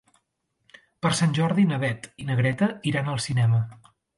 Per Sant Jordi na Beth i na Greta iran al cinema.